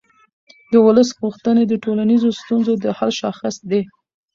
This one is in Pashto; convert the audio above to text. د ولس غوښتنې د ټولنیزو ستونزو د حل شاخص دی